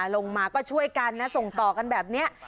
ลงมาก็ช่วยกันนะส่งต่อกันแบบนี้